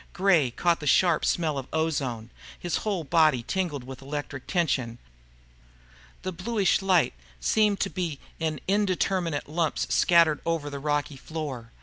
Gray caught the sharp smell of ozone. His whole body was tingling with electric tension. The bluish light seemed to be in indeterminate lumps scattered over the rocky floor.